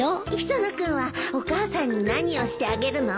磯野君はお母さんに何をしてあげるの？